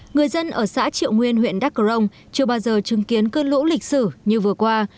người dân ở xã triệu nguyên huyện đắk cờ rông chưa bao giờ chứng kiến cơn lũ lịch sử như vừa qua